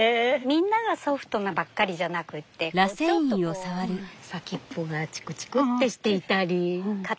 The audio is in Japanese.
みんながソフトなばっかりじゃなくってちょっとこう先っぽがチクチクってしていたり硬かったり。